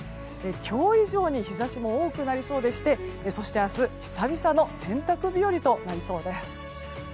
今日以上に日差しも多くなりそうでしてそして明日、久々の洗濯日和となりそうです。